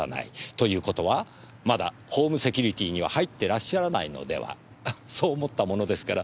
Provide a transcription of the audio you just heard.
という事はまだホームセキュリティーには入ってらっしゃらないのではそう思ったものですから。